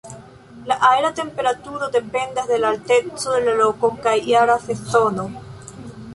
La aera temperaturo dependas de alteco de la loko kaj jara sezono.